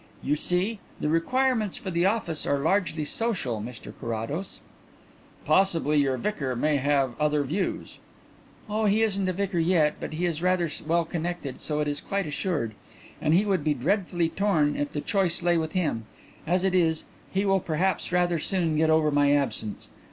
You see, the requirements for the office are largely social, Mr Carrados." "Possibly your vicar may have other views." "Oh, he isn't a vicar yet, but he is rather well connected, so it is quite assured. And he would be dreadfully torn if the choice lay with him. As it is, he will perhaps rather soon get over my absence.